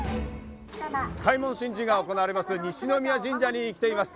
開門神事が行われる西宮神社に来ています。